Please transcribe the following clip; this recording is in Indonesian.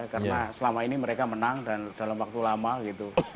karena selama ini mereka menang dan dalam waktu lama gitu